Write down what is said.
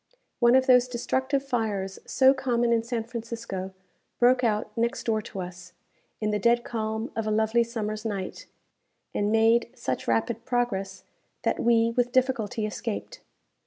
One of those destructive fires so common in San Francisco broke out next door to us, in the dead calm of a lovely summer's night, and made such rapid progress that we with difficulty escaped.